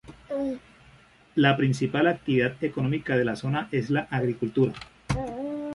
La principal actividad económica de la zona es la agricultura.